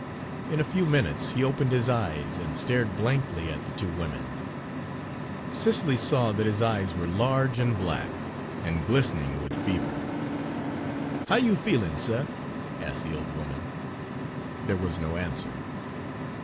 In a few minutes he opened his eyes and stared blankly at the two women. Cicely saw that his eyes were large and black, and glistening with fever. "How you feelin', suh?" asked the old woman. Page 142 There was no answer.